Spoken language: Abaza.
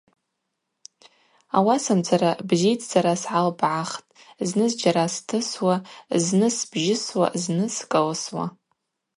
Ауасамцара бзидздзара сгӏалбгӏахтӏ – зны зджьара стысуа, зны сбжьысуа, зны скӏылсуа.